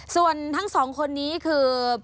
ส่วนทั้งสองคนนี้คือ